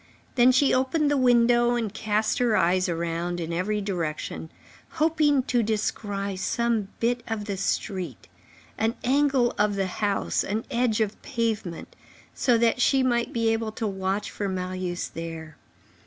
Then she opened the window and cast her eyes around her in every direction, hoping to descry some bit of the street, an angle of the house, an edge of pavement, so that she might be able to watch for Marius there.